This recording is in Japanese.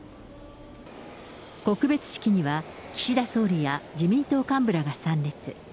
告別式には、岸田総理や自民党幹部らが参列。